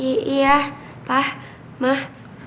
iya pak mah